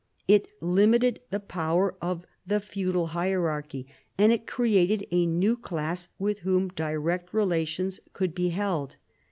It limited the power of the feudal hierarchy, and it created a new class with whom direct relations could be held.